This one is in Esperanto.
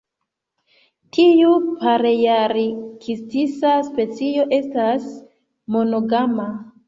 Tiu palearktisa specio estas monogama.